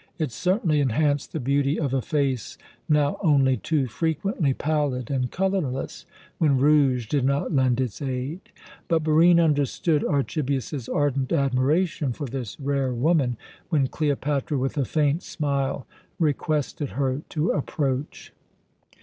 It certainly enhanced the beauty of a face now only too frequently pallid and colourless, when rouge did not lend its aid; but Barine understood Archibius's ardent admiration for this rare woman, when Cleopatra, with a faint smile, requested her to approach.